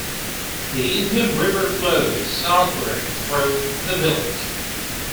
The Indian River flows southward through the village.